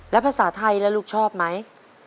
แล้วภาษาไทยแล้วลูกชอบไหม